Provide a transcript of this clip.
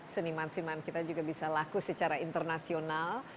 seniman seniman kita juga bisa laku secara internasional